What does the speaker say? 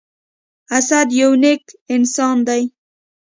اسد يو نیک انسان دی.